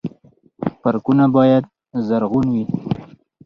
پارکونه باید زرغون وي